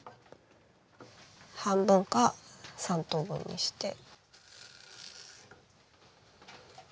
半分か３等分にして。